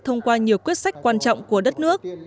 thông qua nhiều quyết sách quan trọng của đất nước